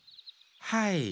はい。